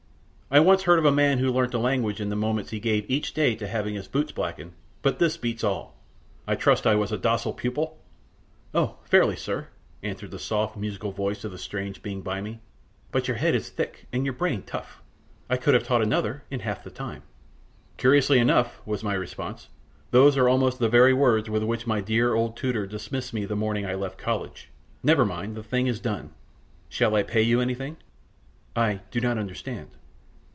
I once heard of a man who learnt a language in the moments he gave each day to having his boots blacked; but this beats all. I trust I was a docile pupil?" "Oh, fairly, sir," answered the soft, musical voice of the strange being by me; "but your head is thick and your brain tough. I could have taught another in half the time." "Curiously enough," was my response, "those are almost the very words with which my dear old tutor dismissed me the morning I left college. Never mind, the thing is done. Shall I pay you anything?" "I do not understand."